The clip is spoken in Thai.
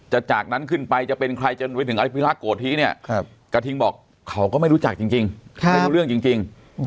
จากนั้นขึ้นไปจะเป็นใครจนไปถึงอภิรักษ์โกธิเนี่ยกระทิงบอกเขาก็ไม่รู้จักจริงไม่รู้เรื่องจริง